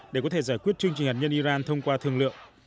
để có thể giải quyết chương trình hạt nhân iran thông qua thương lượng